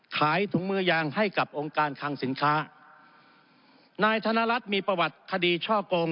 ขายถุงมือยางให้กับองค์การคังสินค้านายธนรัฐมีประวัติคดีช่อกง